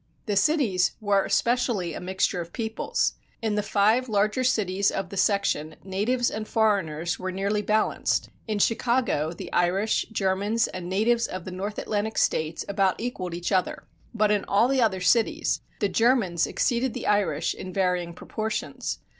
The cities were especially a mixture of peoples. In the five larger cities of the section natives and foreigners were nearly balanced. In Chicago the Irish, Germans and natives of the North Atlantic States about equaled each other. But in all the other cities, the Germans exceeded the Irish in varying proportions.